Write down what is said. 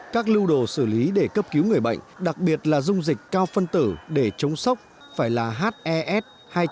các lưu đồ xử lý để cấp cứu người bệnh đặc biệt là dung dịch cao phân tử để chống sốc phải là hes hai trăm linh